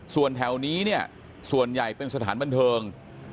ส่วนแถวนี้เนี่ยส่วนใหญ่เป็นสถานบันเทิง